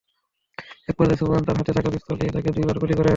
একপর্যায়ে সুবহান তাঁর হাতে থাকা পিস্তল দিয়ে তাঁকে দুইবার গুলি করেন।